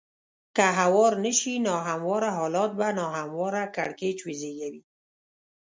که هوار نه شي نا همواره حالات به نا همواره کړکېچ وزېږوي.